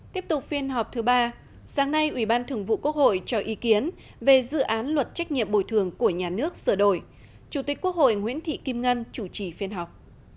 tiếp tục phiên họp thứ ba sáng nay ủy ban thường vụ quốc hội cho ý kiến về dự án luật trách nhiệm bồi thường của nhà nước sửa đổi chủ tịch quốc hội nguyễn thị kim ngân chủ trì phiên họp